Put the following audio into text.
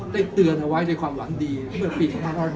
เตือนเอาไว้ในความหวังดีเมื่อปี๒๕๕๙